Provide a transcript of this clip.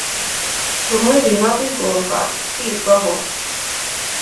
rumwe biba bigomba kwigwaho